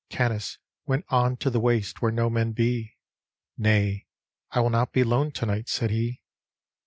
Canice went on to the waste where no men be ;" Nay, I will not be lone to night," said he.